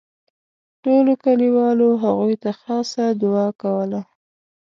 ټولو کلیوالو هغوی ته خاصه دوعا کوله.